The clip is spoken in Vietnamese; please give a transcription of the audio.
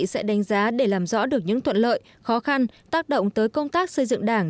sẽ đánh giá để làm rõ được những thuận lợi khó khăn tác động tới công tác xây dựng đảng